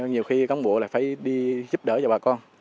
nhiều khi cán bộ là phải đi giúp đỡ cho bà con